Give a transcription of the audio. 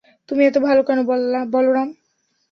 তুমি এতো ভালো কেন, বলরাম?